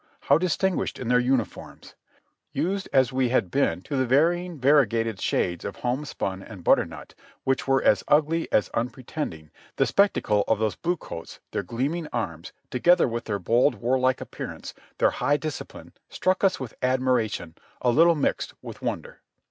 How distinguished in their uniforms ! Used as we had been to the varying variegated shades of homespun and butternut, which were as ugly as unpretending, the spectacle of those blue coats, their gleaming arms, together with their bold, warlike ap pearance, their high discipline, struck us with admiration, a little mixed with wonder.